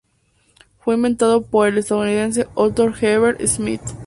Fue inventado por el estadounidense Otto Herbert Schmitt.